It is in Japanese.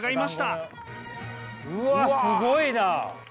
うわすごいな！